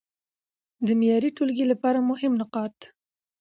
د معياري ټولګي لپاره مهم نقاط: